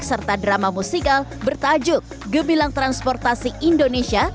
serta drama musikal bertajuk gebilang transportasi indonesia